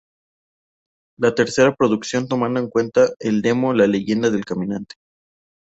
La tercera producción tomando en cuenta el demo "La Leyenda del Caminante".